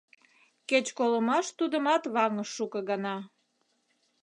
Кеч колымаш тудымат ваҥыш шуко гана.